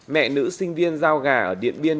mẹ nữ sinh viên giao gà ở điện biên